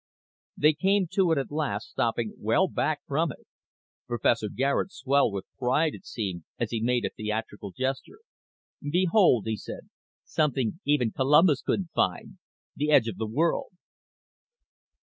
They came to it at last, stopping well back from it. Professor Garet swelled with pride, it seemed, as he made a theatrical gesture. "Behold," he said. "Something even Columbus couldn't find. The edge of the world."